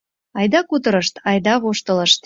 Айда кутырышт, айда воштылышт